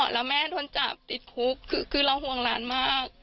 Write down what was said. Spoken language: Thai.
แล้วแม่โดนจับติดคุกคือเราห่วงหลานมาก